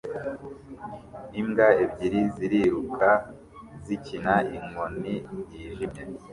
Imbwa ebyiri ziriruka zikina inkoni yijimye